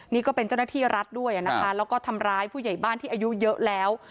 นี่ก็เป็นเจ้าหน้าที่รัฐด้วยนะคะแล้วก็ทำร้ายผู้ใหญ่บ้านที่อายุเยอะแล้ว